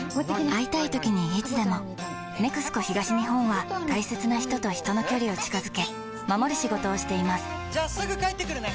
会いたいときにいつでも「ＮＥＸＣＯ東日本」は大切な人と人の距離を近づけ守る仕事をしていますじゃあすぐ帰ってくるね！